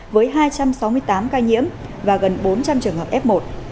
với hai trăm sáu mươi tám ca nhiễm và gần bốn trăm linh trường hợp f một